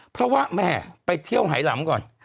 เพราะว่าแม่ไปเที่ยวหายหลำก่อน